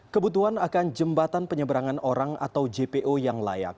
kebutuhan akan jembatan penyeberangan orang atau jpo yang layak